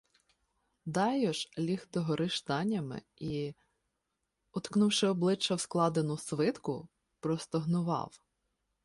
Дайош ліг догори "штанями" і, уткнувши обличчя в складену свитку, постогнував.